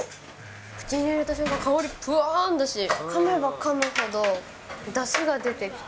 口に入れた瞬間、香りぷわーんだし、かめばかむほど、だしが出てきて。